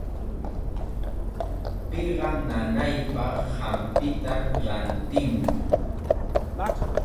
Piqa nanaypaq hampita rantimuy.